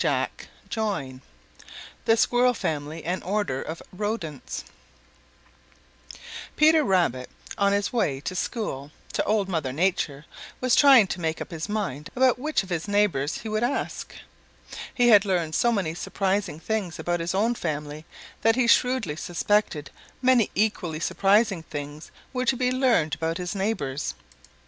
CHAPTER IV Chatterer and Happy Jack Join Peter Rabbit, on his way to school to Old Mother Nature, was trying to make up his mind about which of his neighbors he would ask. He had learned so many surprising things about his own family that he shrewdly suspected many equally surprising things were to be learned about his neighbors.